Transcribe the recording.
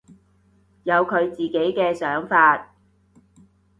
有佢自己嘅想法